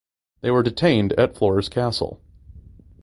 They were detained at Floors Castle.